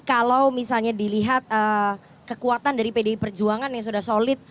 kalau misalnya dilihat kekuatan dari pdi perjuangan yang sudah solid